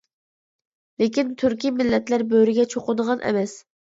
لېكىن، تۈركىي مىللەتلەر بۆرىگە چوقۇنغان ئەمەس.